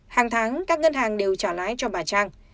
hàng tháng các ngân hàng đều trả lãi cho bà trang